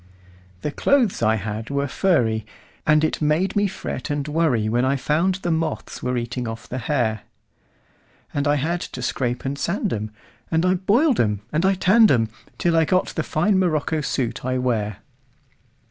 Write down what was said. The clothes I had were furry, And it made me fret and worryWhen I found the moths were eating off the hair; And I had to scrape and sand 'em, And I boiled 'em and I tanned 'em, Till I got the fine morocco suit I wear.